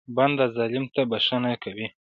بنده ظالم ته بښنه کوي.